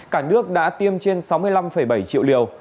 cả nước đã tiêm trên sáu mươi năm bảy triệu liều